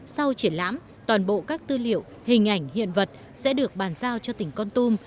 sau triển lãm toàn bộ các tư liệu hình ảnh hiện vật sẽ được bàn giao cho tỉnh con tum